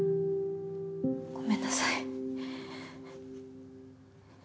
ごめんなさい。